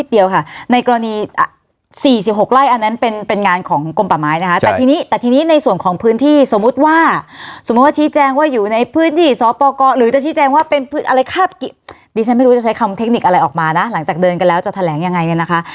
เทคนิคอะไรออกมานะหลังจากเดินกันแล้วจะแถลงยังไงเนี่ยนะคะ